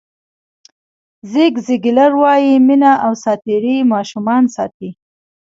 زیګ زیګلر وایي مینه او ساعتېرۍ ماشومان ساتي.